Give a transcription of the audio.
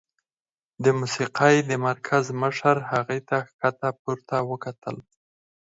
د موسيقۍ د مرکز مشر هغې ته ښکته پورته وکتل.